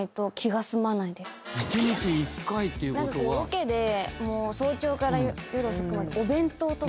ロケで早朝から夜遅くまでお弁当とか。